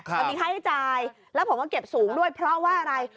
มันมีค่าให้จ่ายแล้วผมก็เก็บสูงด้วยเพราะว่าอะไร